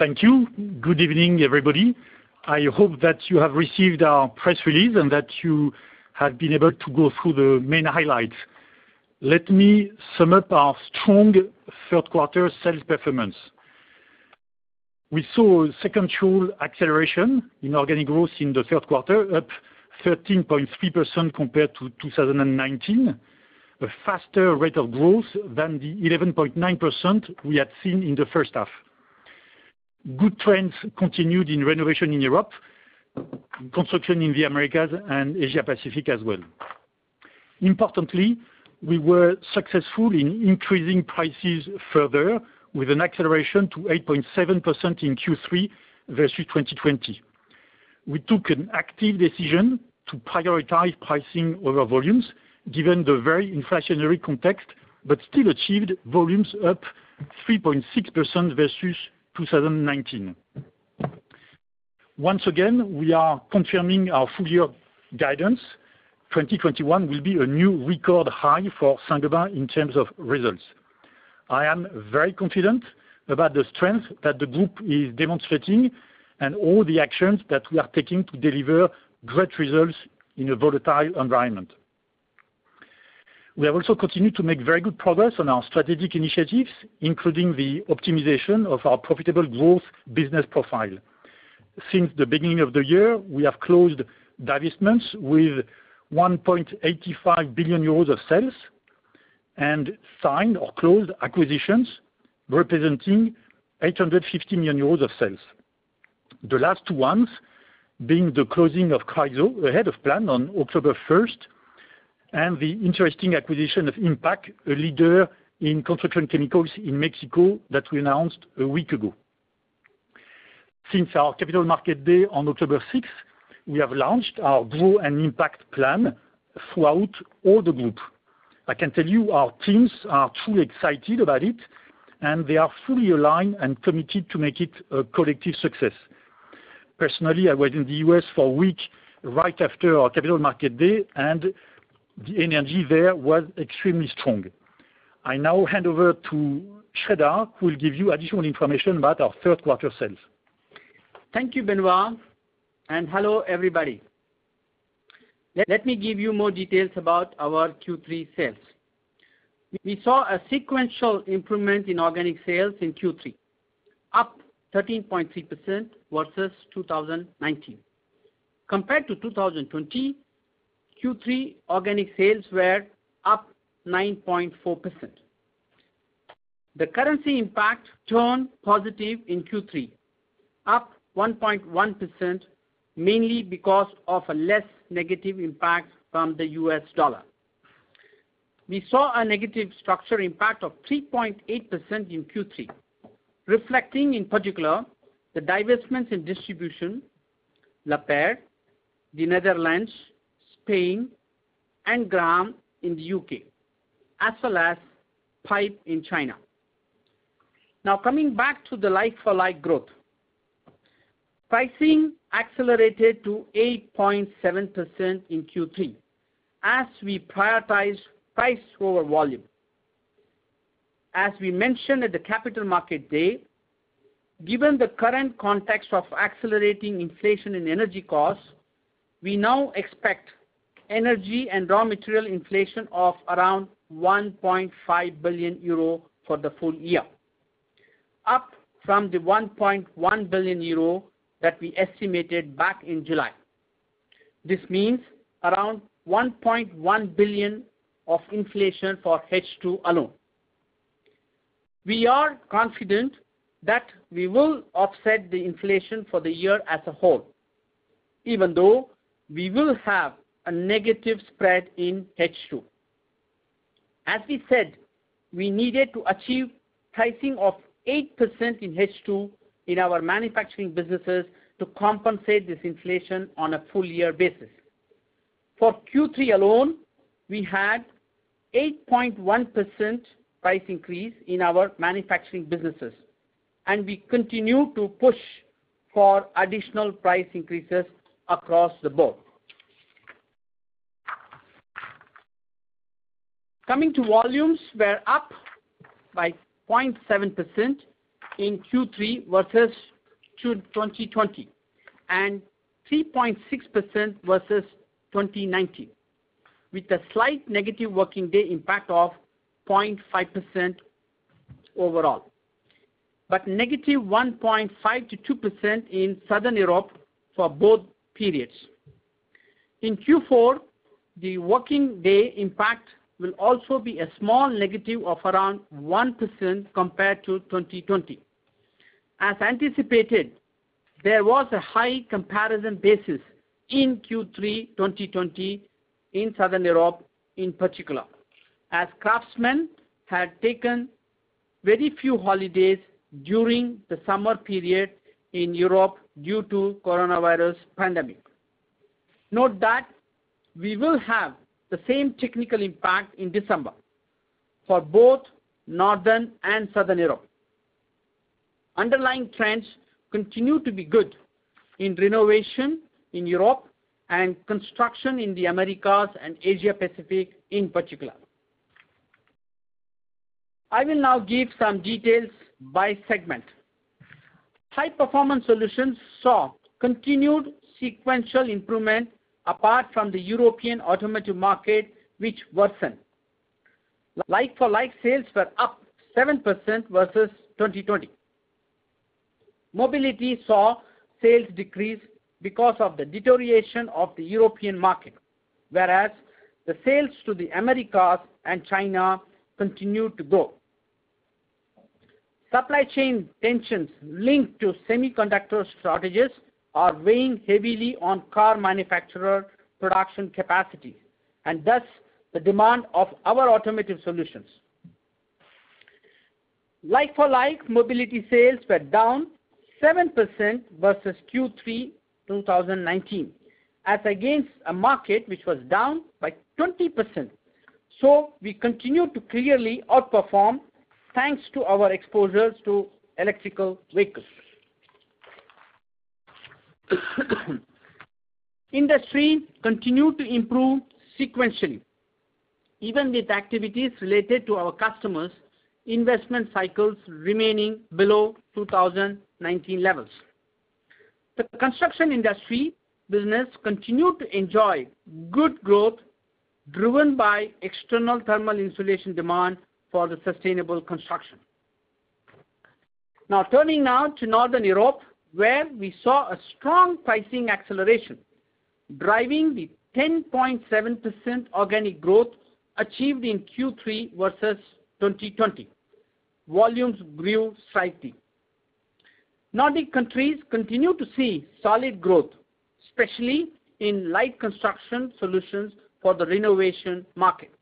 Thank you. Good evening, everybody. I hope that you have received our press release and that you have been able to go through the main highlights. Let me sum up our strong third quarter sales performance. We saw second-half acceleration in organic growth in the third quarter, up 13.3% compared to 2019. A faster rate of growth than the 11.9% we had seen in the first half. Good trends continued in renovation in Europe, construction in the Americas and Asia Pacific as well. Importantly, we were successful in increasing prices further, with an acceleration to 8.7% in Q3 versus 2020. We took an active decision to prioritize pricing over volumes given the very inflationary context, but still achieved volumes up 3.6% versus 2019. Once again, we are confirming our full year guidance. 2021 will be a new record high for Saint-Gobain in terms of results. I am very confident about the strength that the group is demonstrating and all the actions that we are taking to deliver great results in a volatile environment. We have also continued to make very good progress on our strategic initiatives, including the optimization of our profitable growth business profile. Since the beginning of the year, we have closed divestments with 1.85 billion euros of sales and signed or closed acquisitions representing 850 million euros of sales. The last ones being the closing of Chryso ahead of plan on October 1st, and the interesting acquisition of IMPAC, a leader in construction chemicals in Mexico that we announced a week ago. Since our Capital Markets Day on October 6th, we have launched our Grow & Impact plan throughout all the Group. I can tell you our teams are truly excited about it, and they are fully aligned and committed to make it a collective success. Personally, I was in the U.S. for a week, right after our Capital Markets Day, and the energy there was extremely strong. I now hand over to Sreedhar, who will give you additional information about our third quarter sales. Thank you, Benoit, and hello, everybody. Let me give you more details about our Q3 sales. We saw a sequential improvement in organic sales in Q3, up 13.3% versus 2019. Compared to 2020, Q3 organic sales were up 9.4%. The currency impact turned positive in Q3, up 1.1%, mainly because of a less negative impact from the U.S. dollar. We saw a negative structure impact of 3.8% in Q3, reflecting, in particular, the divestments in distribution, Lapeyre, the Netherlands, Spain, and Graham in the U.K., as well as PAM in China. Now coming back to the like-for-like growth. Pricing accelerated to 8.7% in Q3 as we prioritize price over volume. As we mentioned at the Capital Markets Day, given the current context of accelerating inflation in energy costs, we now expect energy and raw material inflation of around 1.5 billion euro for the full year, up from the 1.1 billion euro that we estimated back in July. This means around 1.1 billion of inflation for H2 alone. We are confident that we will offset the inflation for the year as a whole, even though we will have a negative spread in H2. We needed to achieve pricing of 8% in H2 in our manufacturing businesses to compensate this inflation on a full year basis. For Q3 alone, we had 8.1% price increase in our manufacturing businesses, and we continue to push for additional price increases across the board. Coming to volumes were up by 0.7% in Q3 versus Q3 2020 and 3.6% versus 2019, with a slight negative working day impact of 0.5% overall. Negative 1.5%-2% in Southern Europe for both periods. In Q4, the working day impact will also be a small negative of around 1% compared to 2020. As anticipated, there was a high comparison basis in Q3 2020 in Southern Europe in particular, as craftsmen had taken very few holidays during the summer period in Europe due to coronavirus pandemic. Note that we will have the same technical impact in December for both Northern and Southern Europe. Underlying trends continue to be good in renovation in Europe and construction in the Americas and Asia Pacific in particular. I will now give some details by segment. High Performance Solutions saw continued sequential improvement apart from the European automotive market, which worsened. Like-for-like sales were up 7% versus 2020. Mobility saw sales decrease because of the deterioration of the European market, whereas the sales to the Americas and China continued to grow. Supply chain tensions linked to semiconductor shortages are weighing heavily on car manufacturer production capacity and thus the demand of our automotive solutions. Like-for-like mobility sales were down 7% versus Q3 2019, as against a market which was down by 20%. We continue to clearly outperform thanks to our exposures to electric vehicles. Industry continued to improve sequentially, even with activities related to our customers investment cycles remaining below 2019 levels. The construction industry business continued to enjoy good growth driven by external thermal insulation demand for the sustainable construction. Now turning to Northern Europe, where we saw a strong pricing acceleration driving the 10.7% organic growth achieved in Q3 versus 2020. Volumes grew slightly. Nordic countries continue to see solid growth, especially in light construction solutions for the renovation market.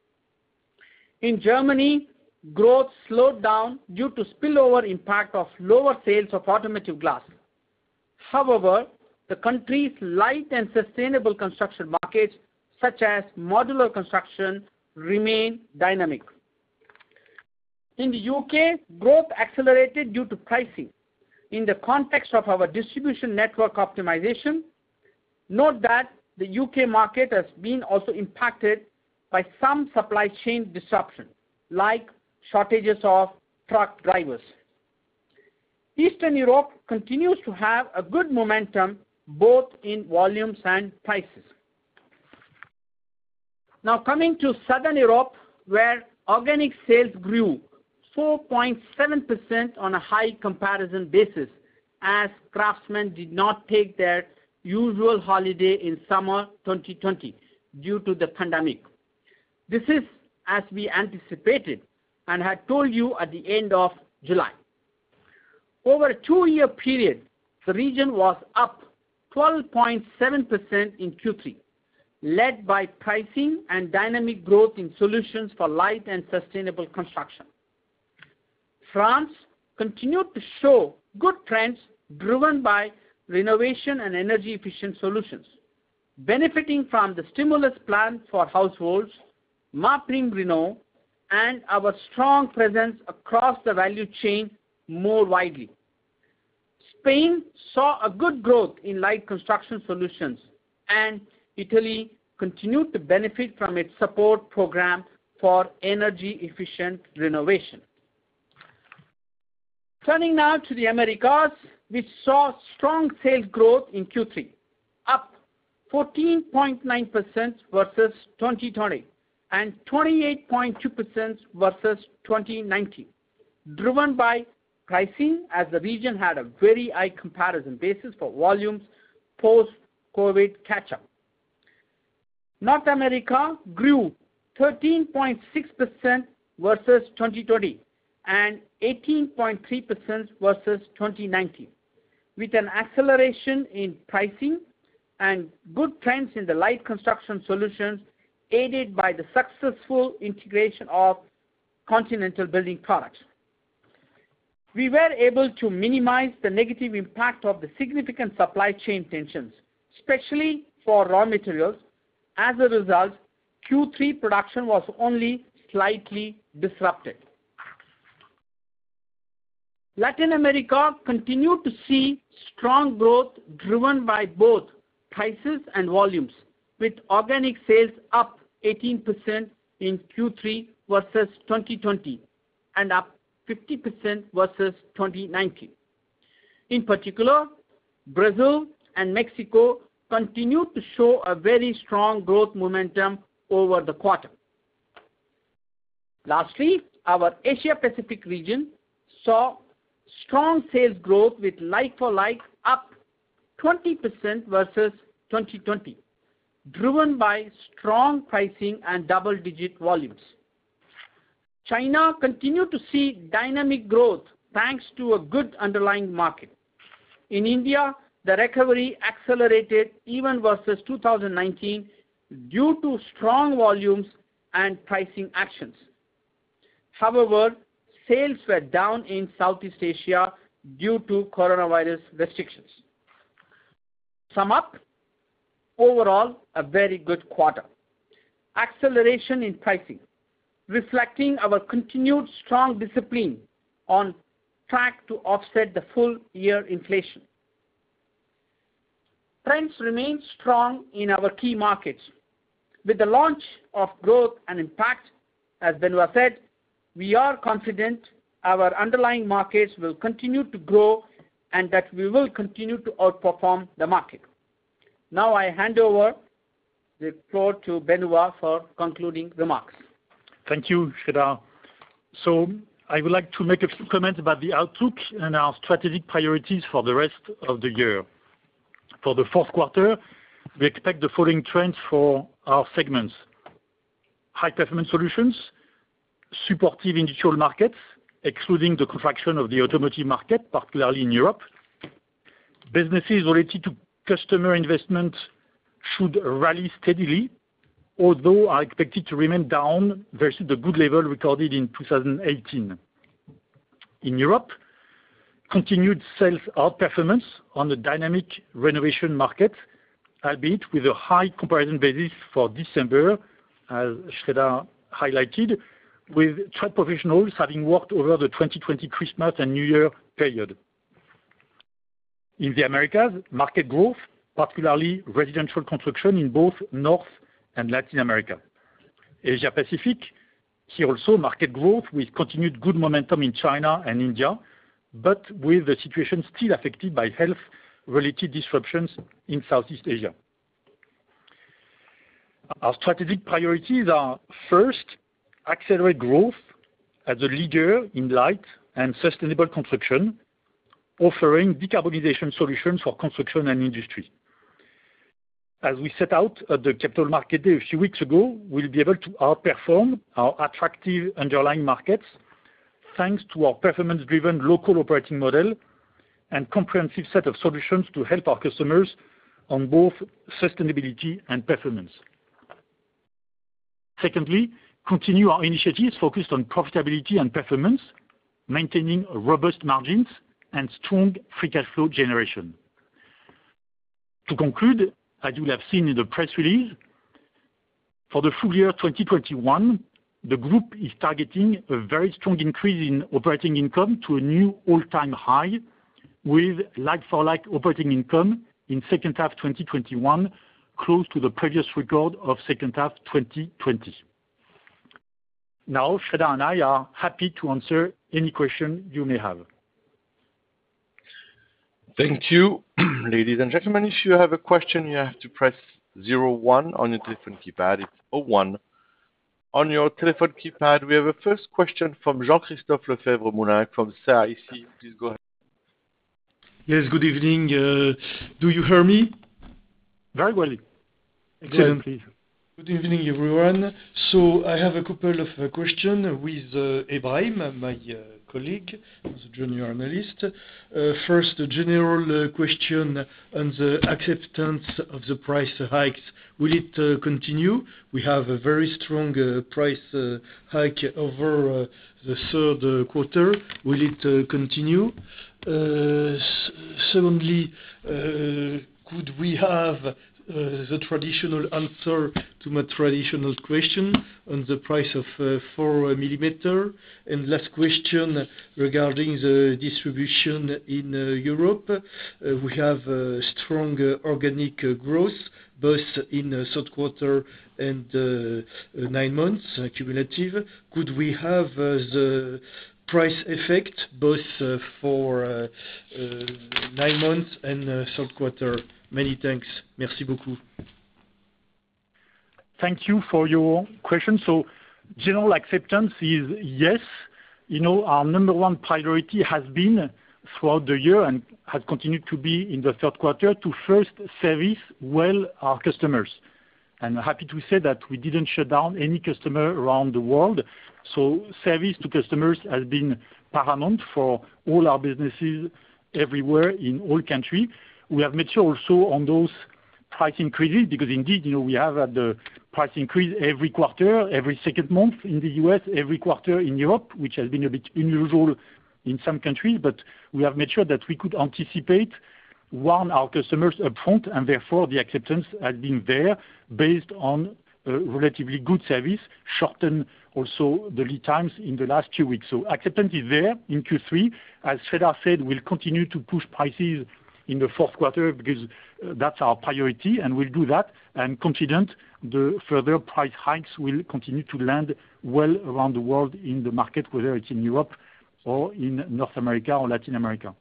In Germany, growth slowed down due to spillover impact of lower sales of automotive glass. However, the country's light and sustainable construction markets such as modular construction remain dynamic. In the U.K., growth accelerated due to pricing in the context of our distribution network optimization. Note that the U.K. market has been also impacted by some supply chain disruption, like shortages of truck drivers. Eastern Europe continues to have a good momentum both in volumes and prices. Now coming to Southern Europe where organic sales grew 4.7% on a high comparison basis as craftsmen did not take their usual holiday in summer 2020 due to the pandemic. This is as we anticipated and had told you at the end of July. Over a two-year period, the region was up 12.7% in Q3, led by pricing and dynamic growth in solutions for light and sustainable construction. France continued to show good trends driven by renovation and energy efficient solutions, benefiting from the stimulus plan for households, MaPrimeRénov', and our strong presence across the value chain more widely. Spain saw a good growth in light construction solutions, and Italy continued to benefit from its support program for energy efficient renovation. Turning now to the Americas, we saw strong sales growth in Q3, up 14.9% versus 2020 and 28.2% versus 2019, driven by pricing as the region had a very high comparison basis for volumes post-COVID catch-up. North America grew 13.6% versus 2020 and 18.3% versus 2019, with an acceleration in pricing and good trends in the light construction solutions aided by the successful integration of Continental Building Products. We were able to minimize the negative impact of the significant supply chain tensions, especially for raw materials. As a result, Q3 production was only slightly disrupted. Latin America continued to see strong growth driven by both prices and volumes, with organic sales up 18% in Q3 versus 2020 and up 50% versus 2019. In particular, Brazil and Mexico continued to show a very strong growth momentum over the quarter. Lastly, our Asia-Pacific region saw strong sales growth with like-for-like up 20% versus 2020, driven by strong pricing and double-digit volumes. China continued to see dynamic growth thanks to a good underlying market. In India, the recovery accelerated even versus 2019 due to strong volumes and pricing actions. However, sales were down in Southeast Asia due to coronavirus restrictions. To sum up, overall a very good quarter. Acceleration in pricing, reflecting our continued strong discipline on track to offset the full year inflation. Trends remain strong in our key markets. With the launch of Grow & Impact, as Benoit said, we are confident our underlying markets will continue to grow and that we will continue to outperform the market. Now I hand over the floor to Benoit for concluding remarks. Thank you, Sreedhar. I would like to make a few comments about the outlook and our strategic priorities for the rest of the year. For the fourth quarter, we expect the following trends for our segments. High Performance Solutions, supportive industrial markets, excluding the contraction of the automotive market, particularly in Europe. Businesses related to customer investment should rally steadily, although are expected to remain down versus the good level recorded in 2018. In Europe, continued sales outperformance on the dynamic renovation market, albeit with a high comparison basis for December, as Sreedhar highlighted, with trade professionals having worked over the 2020 Christmas and New Year period. In the Americas, market growth, particularly residential construction in both North and Latin America. Asia Pacific, here also market growth with continued good momentum in China and India, but with the situation still affected by health-related disruptions in Southeast Asia. Our strategic priorities are, first, accelerate growth as a leader in light and sustainable construction, offering decarbonization solutions for construction and industry. As we set out at the Capital Markets Day a few weeks ago, we'll be able to outperform our attractive underlying markets thanks to our performance-driven local operating model and comprehensive set of solutions to help our customers on both sustainability and performance. Secondly, continue our initiatives focused on profitability and performance, maintaining robust margins and strong free cash flow generation. To conclude, as you have seen in the press release, for the full year 2021, the group is targeting a very strong increase in operating income to a new all-time high with like-for-like operating income in second half 2021, close to the previous record of second half 2020. Now, Sreedhar and I are happy to answer any question you may have. Thank you. Ladies and gentlemen, if you have a question, you have to press zero one on your telephone keypad. It's O one. On your telephone keypad, we have a first question from Jean-Christophe Lefèvre-Moulenq from CIC. Please go ahead. Yes, good evening. Do you hear me? Very well. Excellent. Please. Good evening, everyone. I have a couple of questions with Ibrahim, my colleague, who's a junior analyst. First, a general question on the acceptance of the price hikes. Will it continue? We have a very strong price hike over the third quarter. Will it continue? Secondly, could we have the traditional answer to my traditional question on the price of 4 mm? And last question regarding the distribution in Europe. We have a strong organic growth both in the third quarter and nine months cumulative. Could we have the price effect both for nine months and third quarter? Many thanks. Thank you for your question. General acceptance is yes. You know, our number one priority has been throughout the year and has continued to be in the third quarter to first service well our customers. Happy to say that we didn't shut down any customer around the world. Service to customers has been paramount for all our businesses everywhere in all country. We have made sure also on those price increases, because indeed, you know, we have had the price increase every quarter, every second month in the U.S., every quarter in Europe, which has been a bit unusual in some countries. We have made sure that we could anticipate, one, our customers upfront, and therefore the acceptance has been there based on a relatively good service, shorten also the lead times in the last few weeks. Acceptance is there in Q3. As Sreedhar said, we'll continue to push prices in the fourth quarter because that's our priority and we'll do that and confident the further price hikes will continue to land well around the world in the market, whether it's in Europe or in North America or Latin America.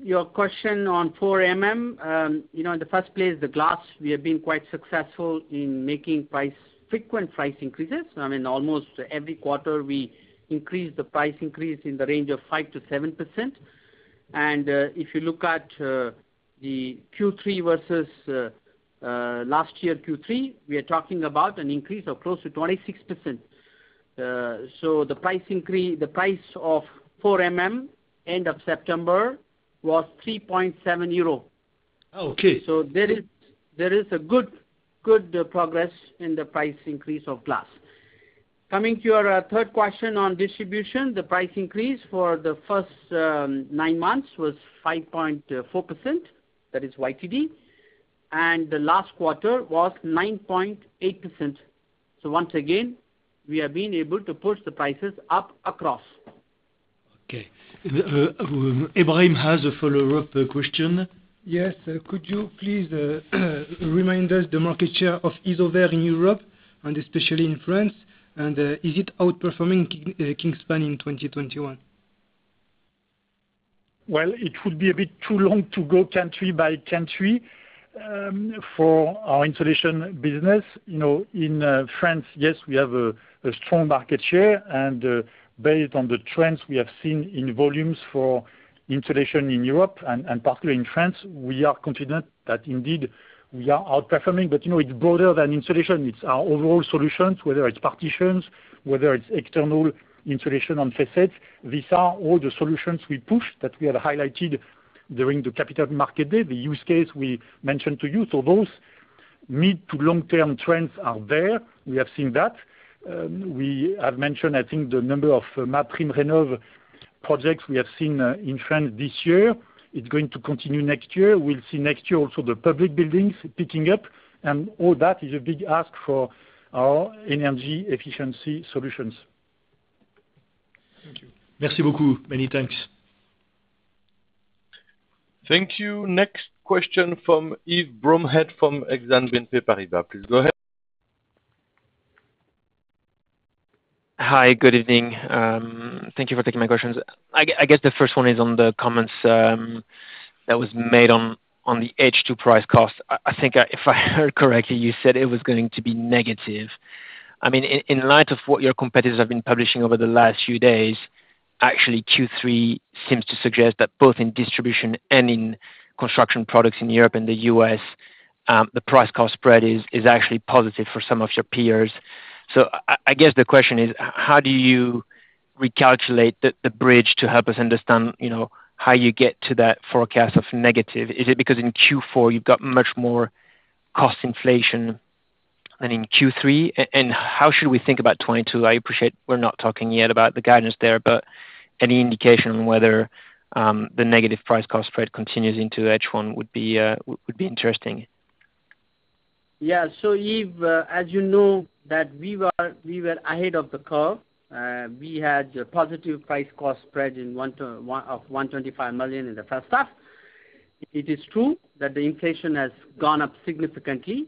Your question on 4 mm, you know, in the first place, the glass, we have been quite successful in making frequent price increases. I mean, almost every quarter, we increase the price in the range of 5%-7%. If you look at the Q3 versus last year Q3, we are talking about an increase of close to 26%. The price of 4 mm end of September was 3.7 euro. Okay. There is a good progress in the price increase of glass. Coming to your third question on distribution, the price increase for the first nine months was 5.4%, that is YTD. The last quarter was 9.8%. Once again, we have been able to push the prices up across. Okay. Ibrahim has a follow-up question. Yes. Could you please remind us of the market share of Isover in Europe and especially in France, and is it outperforming Kingspan in 2021? Well, it would be a bit too long to go country by country for our insulation business. You know, in France, yes, we have a strong market share, and based on the trends we have seen in volumes for insulation in Europe and particularly in France, we are confident that indeed we are outperforming. You know, it's broader than insulation. It's our overall solutions, whether it's partitions, whether it's external insulation on facades. These are all the solutions we push that we have highlighted during the Capital Markets Day, the use case we mentioned to you. Those mid to long term trends are there. We have seen that. We have mentioned, I think the number of MaPrimeRénov' projects we have seen in France this year. It's going to continue next year. We'll see next year also the public buildings picking up, and all that is a big ask for our energy efficiency solutions. Thank you. Merci beaucoup. Many thanks. Thank you. Next question from Yves Bromehead from Exane BNP Paribas. Please go ahead. Hi, good evening. Thank you for taking my questions. I guess the first one is on the comments that was made on the H2 price cost. I think if I heard correctly, you said it was going to be negative. I mean, in light of what your competitors have been publishing over the last few days, actually Q3 seems to suggest that both in distribution and in construction products in Europe and the U.S., the price cost spread is actually positive for some of your peers. I guess the question is how do you recalculate the bridge to help us understand, you know, how you get to that forecast of negative? Is it because in Q4 you've got much more cost inflation than in Q3? How should we think about 2022? I appreciate we're not talking yet about the guidance there, but any indication on whether the negative price cost spread continues into H1 would be interesting. Yeah. Yves, as you know that we were ahead of the curve. We had a positive price cost spread of 125 million in the first half. It is true that the inflation has gone up significantly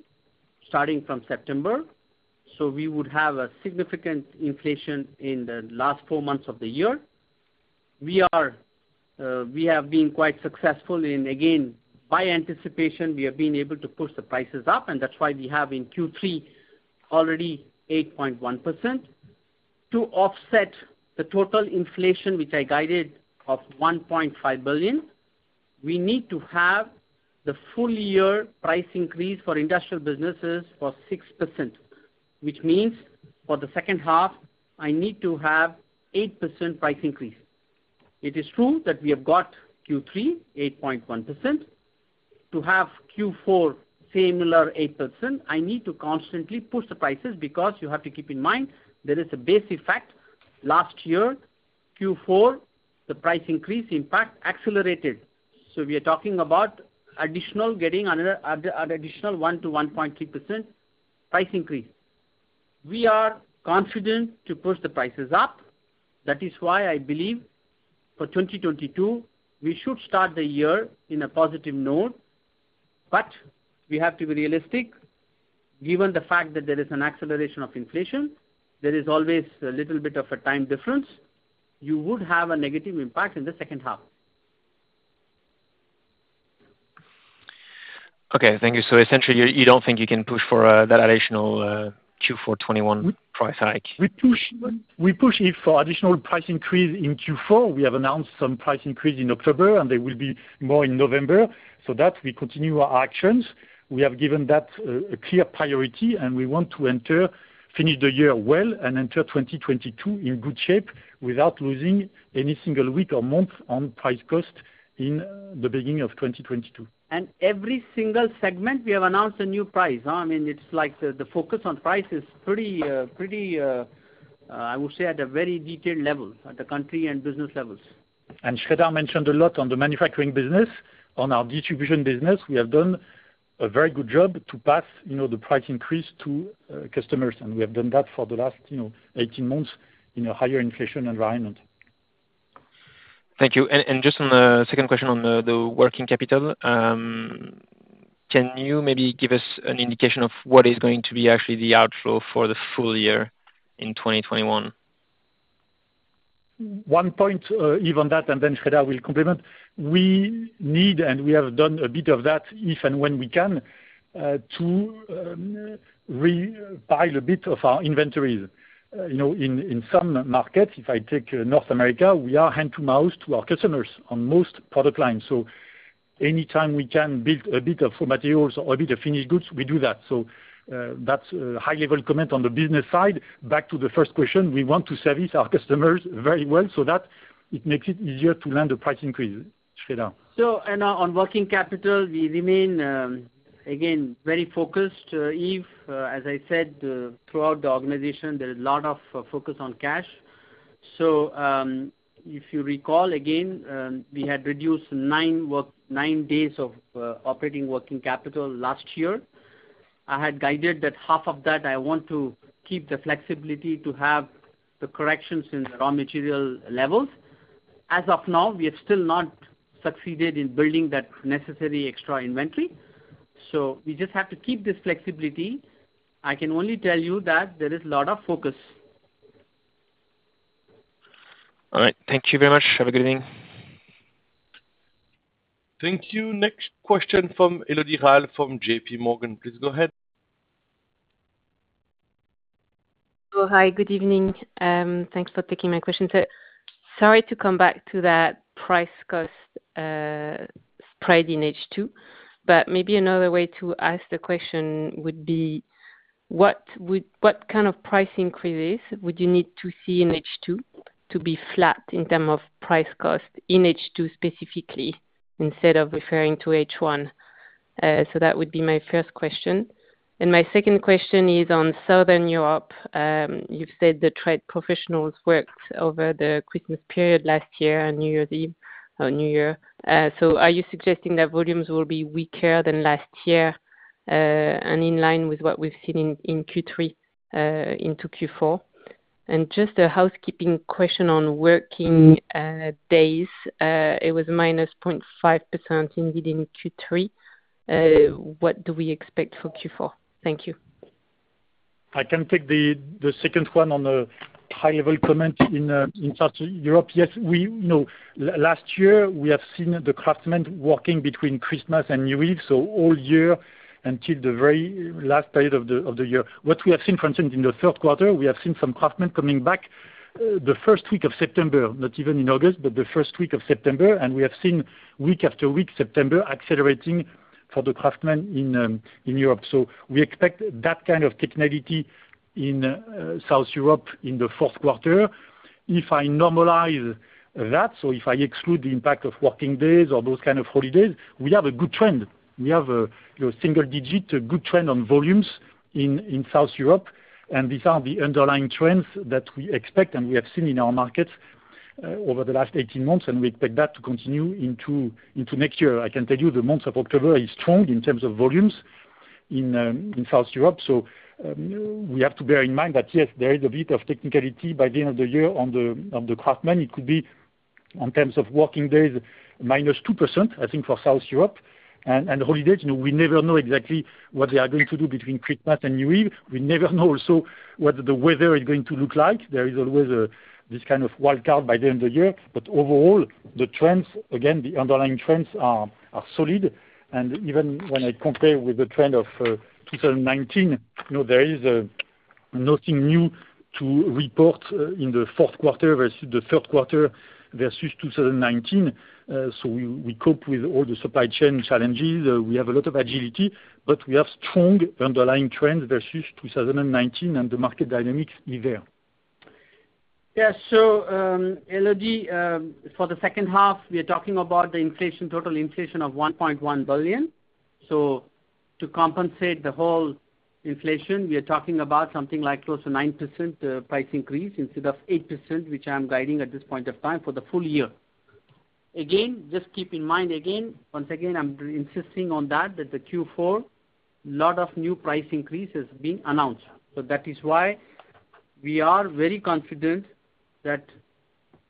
starting from September, we would have a significant inflation in the last four months of the year. We have been quite successful in, again, by anticipation, we have been able to push the prices up, and that's why we have in Q3 already 8.1%. To offset the total inflation, which I guided of 1.5 billion, we need to have the full year price increase for industrial businesses for 6%, which means for the second half, I need to have 8% price increase. It is true that we have got Q3, 8.1%. To have Q4 similar 8%, I need to constantly push the prices because you have to keep in mind there is a base effect. Last year, Q4, the price increase impact accelerated. We are talking about additional one to 1.3% price increase. We are confident to push the prices up. That is why I believe for 2022, we should start the year in a positive note, but we have to be realistic given the fact that there is an acceleration of inflation, there is always a little bit of a time difference. You would have a negative impact in the second half. Okay, thank you. Essentially you don't think you can push for that additional Q4 2021 price hike? We push it for additional price increase in Q4. We have announced some price increase in October, and there will be more in November, so that we continue our actions. We have given that a clear priority, and we want to finish the year well and enter 2022 in good shape without losing any single week or month on price cost in the beginning of 2022. Every single segment we have announced a new price. I mean, it's like the focus on price is pretty, I would say at a very detailed level, at the country and business levels. Sreedhar mentioned a lot on the manufacturing business. On our distribution business, we have done a very good job to pass, you know, the price increase to customers, and we have done that for the last, you know, 18 months in a higher inflation environment. Thank you. Just on a second question on the working capital, can you maybe give us an indication of what is going to be actually the outflow for the full year in 2021? One point, Yves, on that, and then Sreedhar will complement. We need, and we have done a bit of that if and when we can, to rebuild a bit of our inventories. You know, in some markets, if I take North America, we are hand to mouth to our customers on most product lines. Anytime we can build a bit of materials or a bit of finished goods, we do that. That's a high level comment on the business side. Back to the first question, we want to service our customers very well so that it makes it easier to land the price increase. Sreedhar. On working capital, we remain again very focused, Yves. As I said, throughout the organization, there is a lot of focus on cash. If you recall again, we had reduced nine days of operating working capital last year. I had guided that half of that, I want to keep the flexibility to have the corrections in the raw material levels. As of now, we have still not succeeded in building that necessary extra inventory. We just have to keep this flexibility. I can only tell you that there is a lot of focus. All right. Thank you very much. Have a good evening. Thank you. Next question from Elodie Rall from JPMorgan. Please go ahead. Oh, hi. Good evening. Thanks for taking my question, sir. Sorry to come back to that price cost spread in H2, but maybe another way to ask the question would be what kind of price increases would you need to see in H2 to be flat in terms of price cost in H2 specifically, instead of referring to H1. So that would be my first question. My second question is on Southern Europe. You've said the trade professionals worked over the Christmas period last year and New Year's Eve, New Year. So are you suggesting that volumes will be weaker than last year and in line with what we've seen in Q3 into Q4? Just a housekeeping question on working days. It was minus 0.5% indeed in Q3. What do we expect for Q4? Thank you. I can take the second one on a high level comment in South Europe. Yes, we know last year we have seen the craftsmen working between Christmas and New Year, so all year until the very last period of the year. What we have seen, for instance, in the third quarter, we have seen some craftsmen coming back the first week of September, not even in August, but the first week of September. We have seen week after week, September accelerating for the craftsmen in Europe. We expect that kind of technicality in South Europe in the fourth quarter. If I normalize that, if I exclude the impact of working days or those kind of holidays, we have a good trend. We have a, you know, single digit, a good trend on volumes in South Europe. These are the underlying trends that we expect and we have seen in our markets over the last 18 months, and we expect that to continue into next year. I can tell you the month of October is strong in terms of volumes in South Europe. We have to bear in mind that, yes, there is a bit of technicality by the end of the year on the craftsmen. It could be, in terms of working days, -2%, I think, for South Europe. Holidays, you know, we never know exactly what they are going to do between Christmas and New Year. We never know also what the weather is going to look like. There is always this kind of wild card by the end of the year. Overall, the trends, again, the underlying trends are solid. Even when I compare with the trend of 2019, you know, there is nothing new to report in the fourth quarter versus the third quarter versus 2019. We cope with all the supply chain challenges. We have a lot of agility, but we have strong underlying trends versus 2019, and the market dynamics is there. Yeah. Elodie, for the second half, we are talking about the inflation, total inflation of 1.1 billion. To compensate the whole inflation, we are talking about something like close to 9%, price increase instead of 8%, which I'm guiding at this point of time for the full year. Again, just keep in mind again, once again, I'm insisting on that the Q4, lot of new price increase has been announced. That is why we are very confident that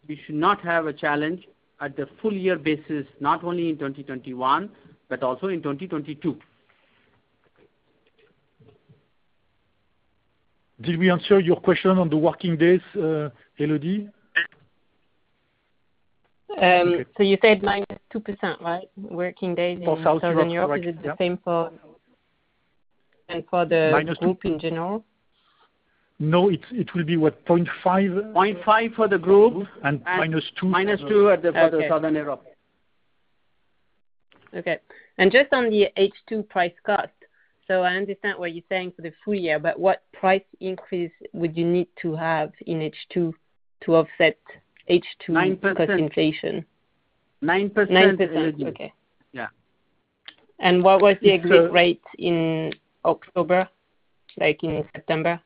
we should not have a challenge at the full year basis, not only in 2021, but also in 2022. Did we answer your question on the working days, Elodie? You said -2%, right? Working days- For South Europe. Correct. in Southern Europe. Is it the same for the- -2. group in general? No, it will be, what? 0.5. 0.5 for the group. -2 for the- -2% for Southern Europe. Okay. Just on the H2 price cost. So I understand what you're saying for the full year, but what price increase would you need to have in H2 to offset H2- 9%. cost inflation? 9%. 9%. Okay. Yeah. What was the exit rate in October, like in September?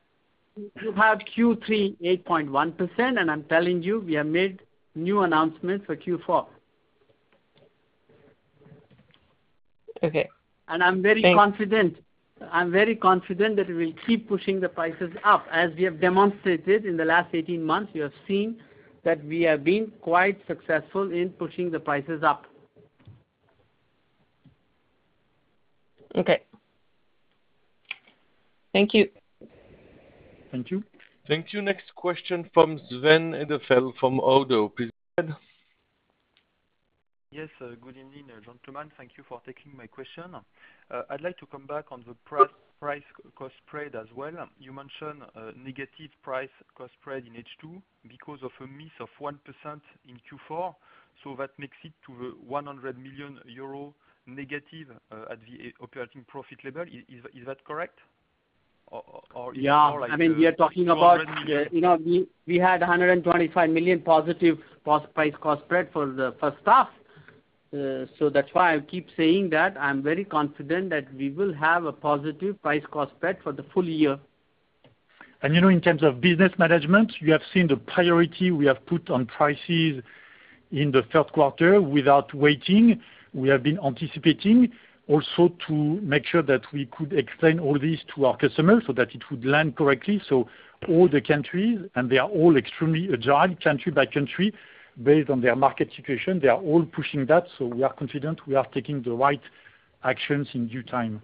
You have Q3, 8.1%, and I'm telling you, we have made new announcements for Q4. Okay. Thanks. I'm very confident that we'll keep pushing the prices up. As we have demonstrated in the last 18 months, you have seen that we have been quite successful in pushing the prices up. Okay. Thank you. Thank you. Thank you. Next question from Sven Edelfelt from Oddo BHF. Please go ahead. Yes. Good evening, gentlemen. Thank you for taking my question. I'd like to come back on the price cost spread as well. You mentioned a negative price cost spread in H2 because of a miss of 1% in Q4, so that makes it to 100 million euro negative at the operating profit level. Is that correct? Yeah. Or like, EUR 200 million. I mean, we are talking about, you know, we had 125 million positive price cost spread for the first half. That's why I keep saying that I'm very confident that we will have a positive price cost spread for the full year. You know, in terms of business management, you have seen the priority we have put on prices in the third quarter without waiting. We have been anticipating also to make sure that we could explain all this to our customers so that it would land correctly. All the countries, and they are all extremely agile country by country based on their market situation, they are all pushing that. We are confident we are taking the right actions in due time.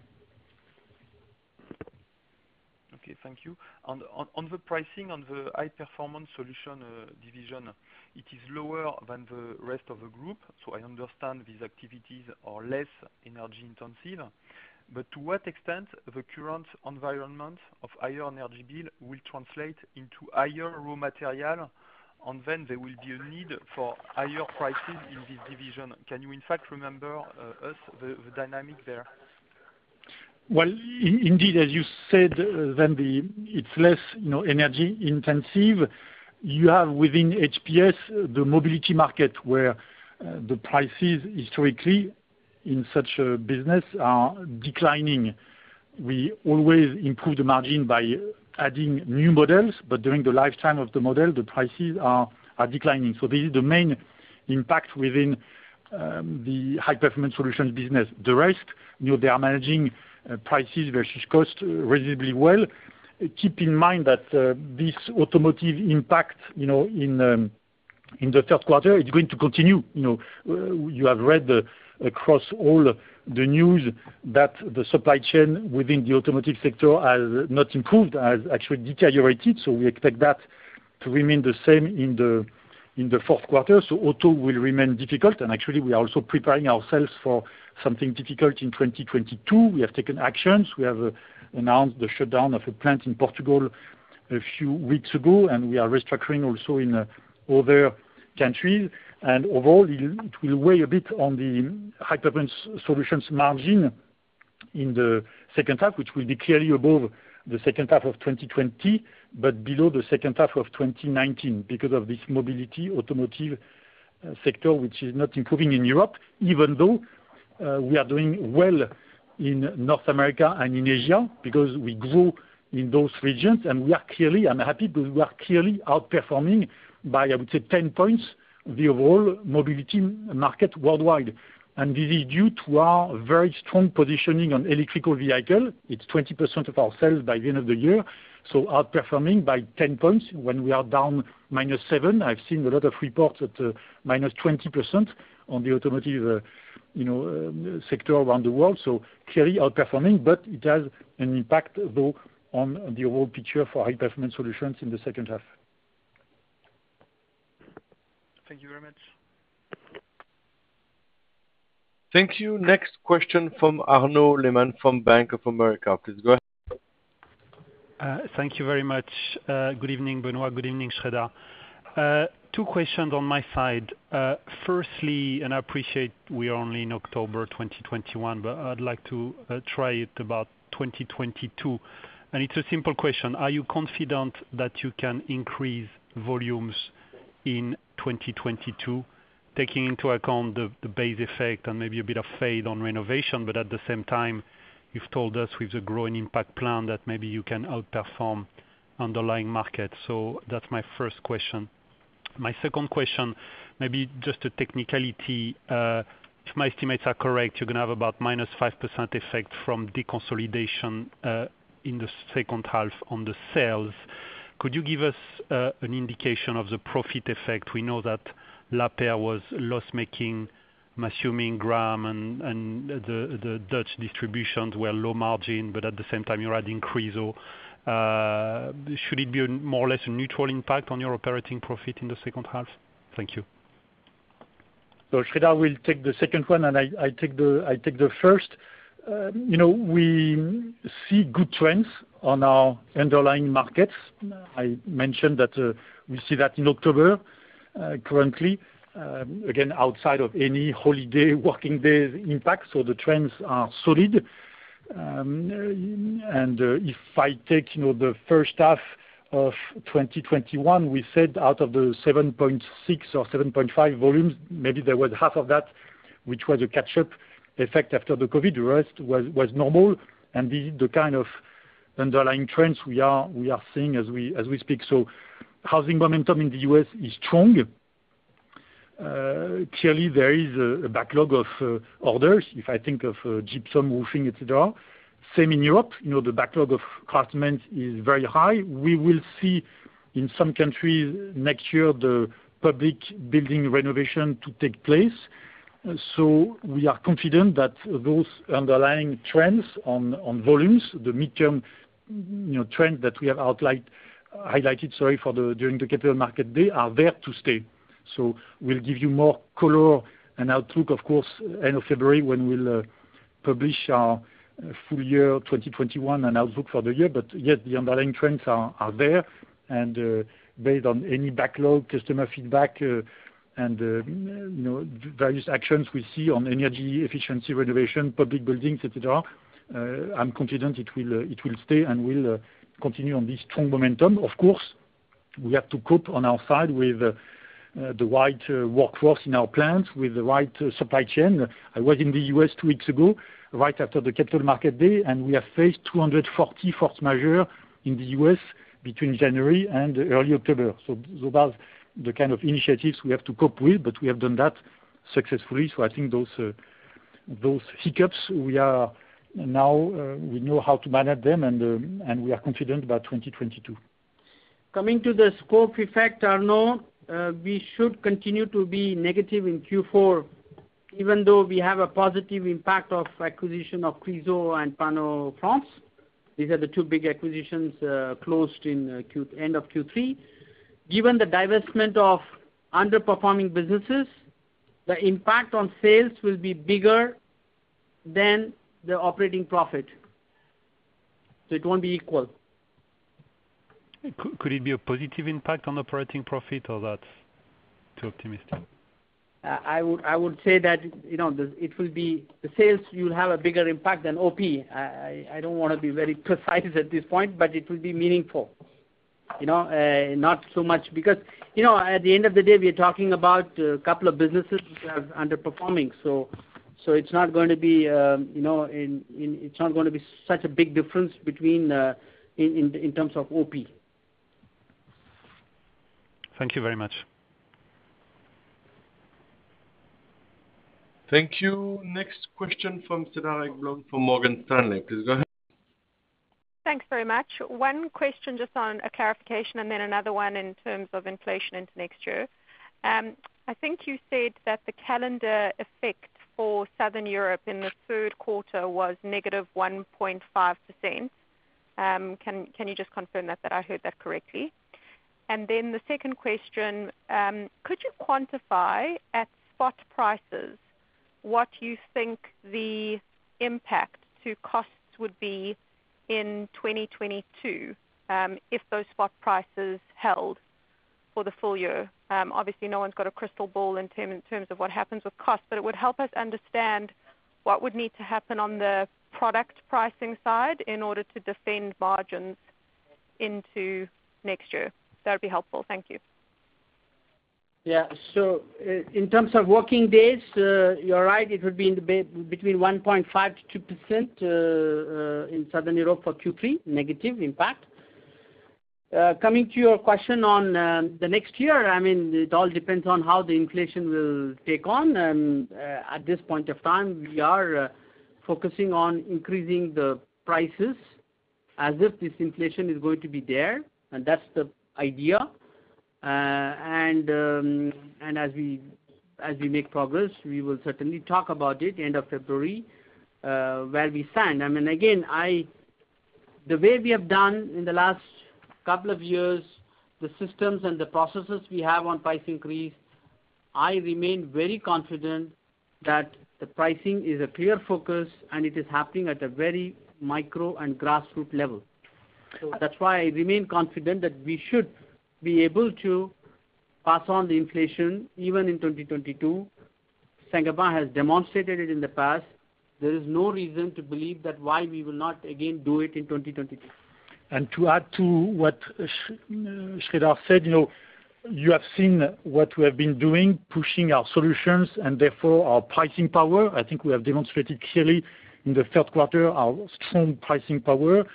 Okay, thank you. On the pricing on the High Performance Solutions division, it is lower than the rest of the group. I understand these activities are less energy intensive, but to what extent the current environment of higher energy bill will translate into higher raw material, and then there will be a need for higher prices in this division. Can you in fact remind us of the dynamic there? Well, indeed, as you said, then it's less, you know, energy intensive. You have within HPS, the mobility market, where the prices historically in such a business are declining. We always improve the margin by adding new models, but during the lifetime of the model, the prices are declining. This is the main impact within the High Performance Solutions business. The rest, you know, they are managing prices versus cost reasonably well. Keep in mind that this automotive impact, you know, in the third quarter is going to continue. You have read across all the news that the supply chain within the automotive sector has not improved, has actually deteriorated. We expect that to remain the same in the fourth quarter. Auto will remain difficult. Actually, we are also preparing ourselves for something difficult in 2022. We have taken actions. We have announced the shutdown of a plant in Portugal a few weeks ago, and we are restructuring also in other countries. Overall, it will weigh a bit on the High Performance Solutions margin in the second half, which will be clearly above the second half of 2020, but below the second half of 2019 because of this Mobility automotive sector, which is not improving in Europe, even though we are doing well in North America and in Asia because we grew in those regions and we are clearly. I'm happy because we are clearly outperforming by, I would say, 10 points the overall mobility market worldwide. This is due to our very strong positioning on electric vehicle. It's 20% of our sales by the end of the year, so outperforming by 10 points when we are down -7. I've seen a lot of reports at -20% on the automotive, you know, sector around the world, so clearly outperforming. But it has an impact, though, on the overall picture for High Performance Solutions in the second half. Thank you very much. Thank you. Next question from Arnaud Lehmann from Bank of America. Please go ahead. Thank you very much. Good evening, Benoit. Good evening, Sreedhar. Two questions on my side. Firstly, I appreciate we are only in October 2021, but I'd like to talk about 2022. It's a simple question. Are you confident that you can increase volumes in 2022, taking into account the base effect and maybe a bit of fade on renovation? At the same time, you've told us with the Grow & Impact plan that maybe you can outperform underlying markets. That's my first question. My second question, maybe just a technicality, if my estimates are correct, you're gonna have about -5% effect from deconsolidation in the second half on the sales. Could you give us an indication of the profit effect? We know that Lapeyre was loss-making. I'm assuming Graham and the Dutch distributions were low margin, but at the same time you're adding Chryso. Should it be more or less a neutral impact on your operating profit in the second half? Thank you. Sreedhar will take the second one, and I take the first. You know, we see good trends on our underlying markets. I mentioned that, we see that in October, currently, again, outside of any holiday working day impact. The trends are solid. If I take, you know, the first half of 2021, we said out of the 7.6 or 7.5 volumes, maybe there was half of that which was a catchup effect after the COVID. The rest was normal. This is the kind of underlying trends we are seeing as we speak. Housing momentum in the U.S. is strong. Clearly there is a backlog of orders if I think of gypsum, roofing, etc. Same in Europe, you know, the backlog of craftsmen is very high. We will see in some countries next year the public building renovation to take place. We are confident that those underlying trends on volumes, the midterm, you know, trend that we have outlined, highlighted, sorry, during the Capital Markets Day are there to stay. We'll give you more color and outlook, of course, end of February when we'll publish our full year 2021 and outlook for the year. Yet the underlying trends are there. Based on any backlog, customer feedback, and you know, various actions we see on energy efficiency, renovation, public buildings, etc., I'm confident it will stay and will continue on this strong momentum. Of course, we have to cope on our side with the right workforce in our plants with the right supply chain. I was in the U.S. two weeks ago, right after the Capital Markets Day, and we have faced 240 force majeure in the U.S. between January and early October. That's the kind of initiatives we have to cope with, but we have done that successfully. I think those hiccups we are now, we know how to manage them and we are confident about 2022. Coming to the scope effect, Arnaud, we should continue to be negative in Q4, even though we have a positive impact of acquisition of Chryso and Panofrance. These are the two big acquisitions, closed in end of Q3. Given the divestment of underperforming businesses, the impact on sales will be bigger than the operating profit. It won't be equal. Could it be a positive impact on operating profit or that's too optimistic? I would say that, you know, the sales will have a bigger impact than OP. I don't wanna be very precise at this point, but it will be meaningful. You know? Not so much because, you know, at the end of the day, we are talking about a couple of businesses which are underperforming. It's not going to be, you know, in terms of OP. Thank you very much. Thank you. Next question from Cedar Ekblom from Morgan Stanley. Please go ahead. Thanks very much. One question just on a clarification and then another one in terms of inflation into next year. I think you said that the calendar effect for Southern Europe in the third quarter was negative 1.5%. Can you just confirm that I heard that correctly? Then the second question, could you quantify at spot prices what you think the impact to costs would be in 2022, if those spot prices held for the full year? Obviously, no one's got a crystal ball in terms of what happens with cost, but it would help us understand what would need to happen on the product pricing side in order to defend margins into next year. That'd be helpful. Thank you. In terms of working days, you're right, it would be between 1.5%-2% in Southern Europe for Q3, negative impact. Coming to your question on the next year, I mean, it all depends on how the inflation will take on. At this point of time, we are focusing on increasing the prices as if this inflation is going to be there, and that's the idea. As we make progress, we will certainly talk about it end of February, where we stand. I mean, again, the way we have done in the last couple of years, the systems and the processes we have on price increase, I remain very confident that the pricing is a clear focus, and it is happening at a very micro and grassroots level. That's why I remain confident that we should be able to pass on the inflation even in 2022. Saint-Gobain has demonstrated it in the past. There is no reason to believe that we will not again do it in 2022. To add to what Sreedhar said, you know, you have seen what we have been doing, pushing our solutions, and therefore our pricing power. I think we have demonstrated clearly in the third quarter our strong pricing power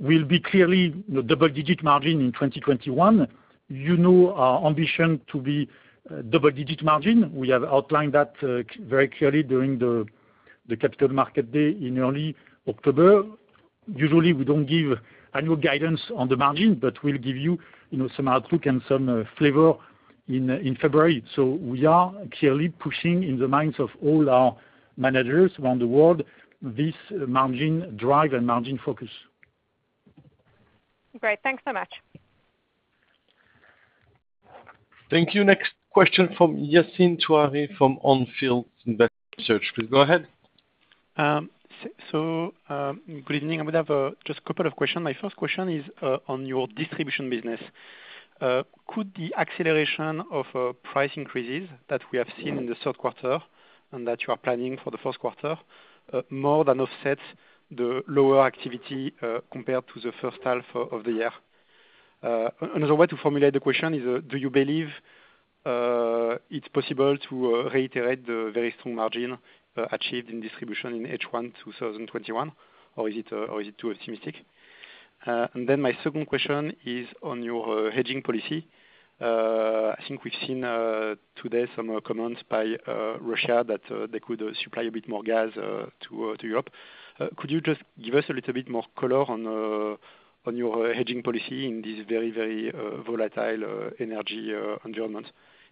will be clearly double-digit margin in 2021. You know our ambition to be double-digit margin. We have outlined that very clearly during the Capital Markets Day in early October. Usually, we don't give annual guidance on the margin, but we'll give you know, some outlook and some flavor in February. We are clearly pushing in the minds of all our managers around the world, this margin drive and margin focus. Great. Thanks so much. Thank you. Next question from Yassine Touahri from On Field Investment Research. Please go ahead. Good evening. I would have just a couple of questions. My first question is on your distribution business. Could the acceleration of price increases that we have seen in the third quarter and that you are planning for the first quarter more than offset the lower activity compared to the first half of the year? Another way to formulate the question is, do you believe it's possible to reiterate the very strong margin achieved in distribution in H1 2021, or is it too optimistic? My second question is on your hedging policy. I think we've seen today some comments by Russia that they could supply a bit more gas to Europe. Could you just give us a little bit more color on your hedging policy in this very volatile energy environment?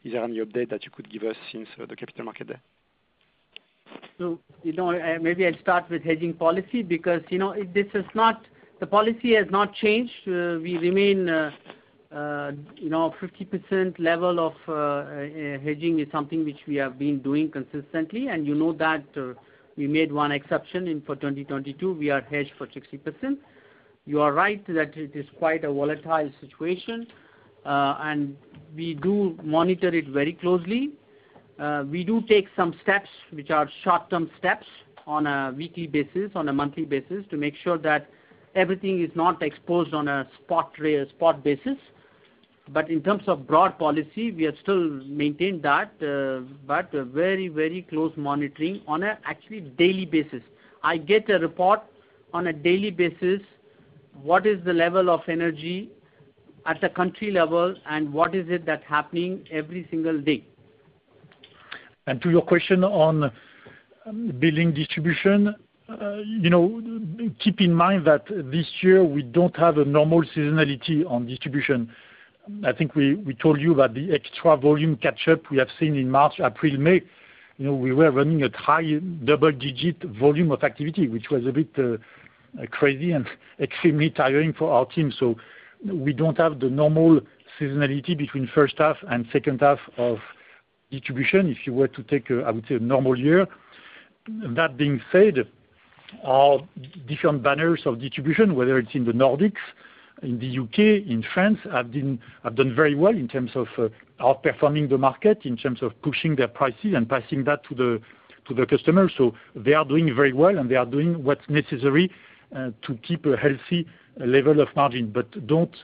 Is there any update that you could give us since the Capital Markets Day? You know, maybe I'll start with hedging policy because, you know, the policy has not changed. We remain, you know, 50% level of hedging is something which we have been doing consistently. You know that we made one exception in for 2022, we are hedged for 60%. You are right that it is quite a volatile situation, and we do monitor it very closely. We do take some steps which are short-term steps on a weekly basis, on a monthly basis to make sure that everything is not exposed on a spot rate basis. But in terms of broad policy, we have still maintained that, but very, very close monitoring on a actually daily basis. I get a report on a daily basis, what is the level of energy at a country level and what is it that's happening every single day. To your question on building distribution, you know, keep in mind that this year we don't have a normal seasonality on distribution. I think we told you that the extra volume catch-up we have seen in March, April, May, you know, we were running at high double-digit volume of activity, which was a bit crazy and extremely tiring for our team. We don't have the normal seasonality between first half and second half of distribution, if you were to take, I would say, a normal year. That being said, our different banners of distribution, whether it's in the Nordics, in the U.K., in France, have done very well in terms of outperforming the market, in terms of pushing their prices and passing that to the customer. They are doing very well, and they are doing what's necessary to keep a healthy level of margin. Don't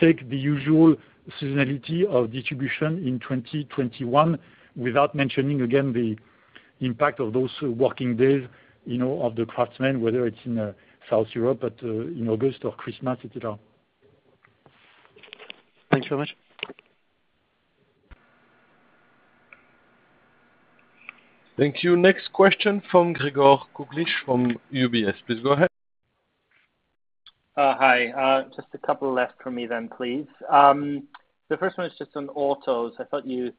take the usual seasonality of distribution in 2021 without mentioning again the impact of those working days, you know, of the craftsmen, whether it's in South Europe in August or Christmas, et cetera. Thanks so much. Thank you. Next question from Gregor Kuglitsch from UBS. Please go ahead. Hi. Just a couple left from me then, please. The first one is just on autos. I thought you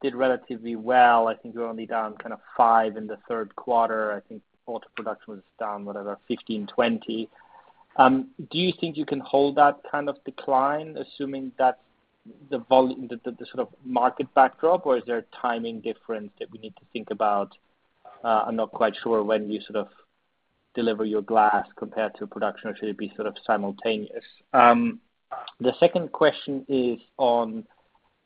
did relatively well. I think you're only down kind of 5% in the third quarter. I think auto production was down, whatever, 15%-20%. Do you think you can hold that kind of decline, assuming that's the sort of market backdrop, or is there a timing difference that we need to think about? I'm not quite sure when you sort of deliver your glass compared to production, or should it be sort of simultaneous? The second question is on